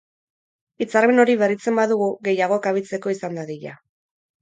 Hitzarmen hori berritzen badugu, gehiago kabitzeko izan dadila.